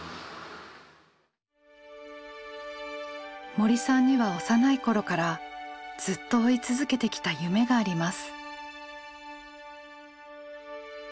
森さんには幼い頃からずっと追い続けてきた夢があります。